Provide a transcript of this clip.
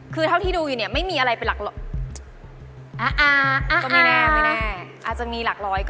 คือเท่าที่ดูอยู่เนี่ยไม่มีอะไรเป็นหลักร้อยก็